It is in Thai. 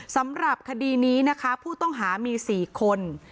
สำหรับคดีนี้นะคะผู้ต้องหามี๔คน